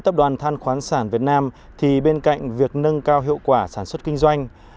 tập đoàn than khoáng sản việt nam thì bên cạnh việc nâng cao hiệu quả sản xuất kinh doanh